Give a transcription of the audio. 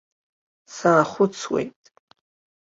Саахәыцуеит.